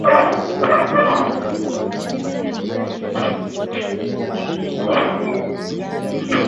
ya kudai utawala wa kiraia na haki kwa wale waliouawa katika maandamano ya awali kulingana na madaktari